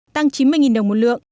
tăng chín mươi đồng một lượng